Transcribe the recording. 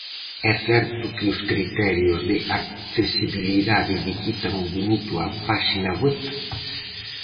É certo que os criterios de accesibilidade lle quitan o bonito á páxina web?